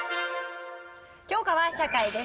教科は社会です。